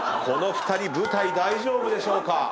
この２人舞台大丈夫でしょうか。